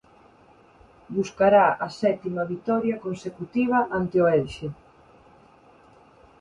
Buscará a sétima vitoria consecutiva ante o Elxe.